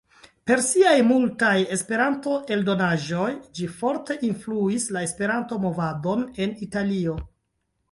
Per siaj multaj Esperanto-eldonaĵoj ĝi forte influis la Esperanto-Movadon en Italio.